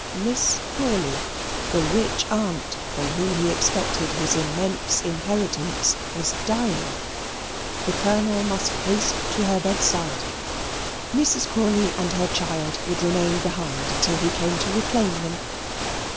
Miss Crawley, the rich aunt from whom he expected his immense inheritance, was dying; the Colonel must haste to her bedside. Mrs. Crawley and her child would remain behind until he came to reclaim them.